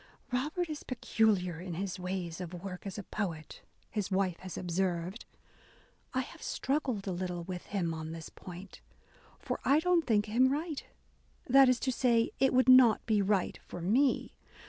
''Robert is peculiar in his ways of work as a poet," his wife has observed, "I have struggled a little with him on this point, for I don't think him right ; that is to say, it would not be right for mc.